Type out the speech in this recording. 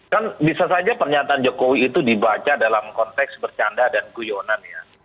kan bisa saja pernyataan jokowi itu dibaca dalam konteks bercanda dan guyonan ya